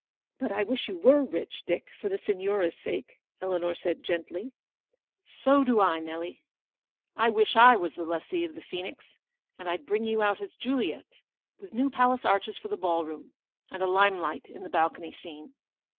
"But I wish you were rich, Dick, for the Signora's sake," Eleanor said, gently. "So do I, Nelly. I wish I was lessee of the Phoenix, and Fd bring you out as Juliet, with new palace arches for the ball room, and a lime light in the balcony scene.